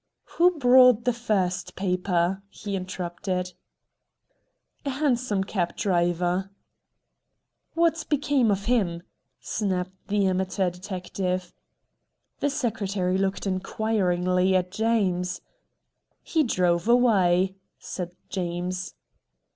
"Who brought the FIRST paper?" he interrupted. "A hansom cab driver." "What became of HIM?" snapped the amateur detective. The Secretary looked inquiringly at James. "He drove away," said James.